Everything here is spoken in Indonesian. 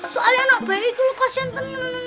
soalnya anak bayi itu luka senten